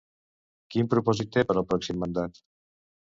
Quin propòsit té per al pròxim mandat?